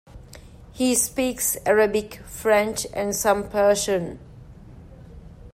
He speaks Arabic, French, and some Persian.